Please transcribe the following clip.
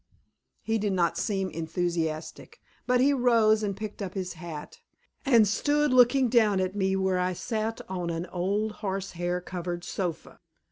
He did not seem enthusiastic, but he rose and picked up his hat, and stood looking down at me where I sat on an old horse hair covered sofa.